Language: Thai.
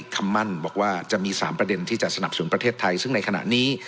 คำมั่นบอกว่าจะมี๓ประเด็นที่จะสนับสนุนประเทศไทยซึ่งในขณะนี้